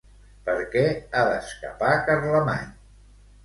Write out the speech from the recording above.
Per què ha d'escapar Carlemany?